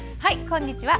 こんにちは。